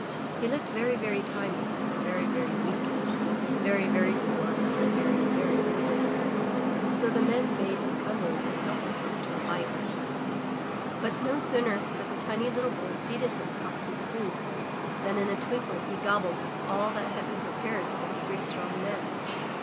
He looked very, very tiny and very, very weak and very, very poor and very, very miserable, so the Men bade him come in and help himself to a bite. But no sooner had the tiny little boy seated himself to the food, than 169 MY BOOK HOUSE in a twinkling he gobbled up all that had been prepared for the three strong men.